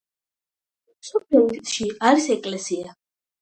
სოფელში არის ეკლესია.